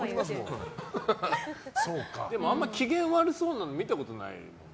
でも、あんまり機嫌悪そうなの見たことないよね。